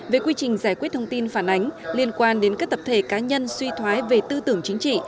về quy trình giải quyết thông tin phản ánh liên quan đến các tập thể cá nhân suy thoái về tư tưởng chính trị